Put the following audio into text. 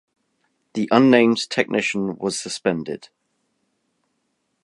The unnamed technician was suspended.